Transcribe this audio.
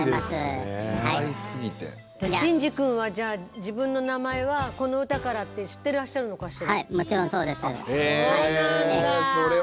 しんじ君は自分の名前はこのうたからって知ってらっしゃるのかしら？